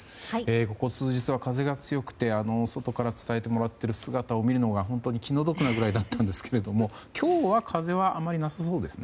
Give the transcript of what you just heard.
ここ数日は風が強くて外から伝えてもらっている姿を見るのが気の毒なくらいでしたが今日は、風はあまりなさそうですね。